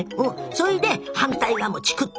それで反対側もチクっと。